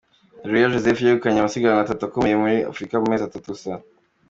Areruya Joseph yegukanye amasiganwa atatu akomeye muri Africa mu mezi atatu gusa.